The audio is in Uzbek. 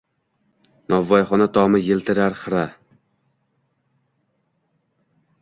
Novvoyxona tomi yiltirar xira